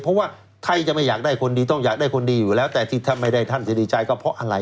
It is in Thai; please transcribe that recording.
เพราะว่าไทยจะไม่อยากได้คนดีต้องอยากได้คนดีอยู่แล้วแต่ที่ท่านไม่ได้ท่านจะดีใจก็เพราะอะไร